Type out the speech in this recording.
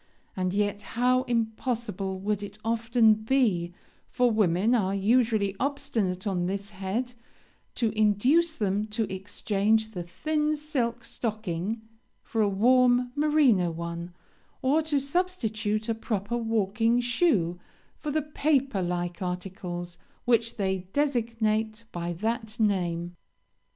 and yet how impossible would it often be for women are usually obstinate on this head to induce them to exchange the thin silk stocking for a warm merino one, or to substitute a proper walking shoe for the paper like articles which they designate by that name!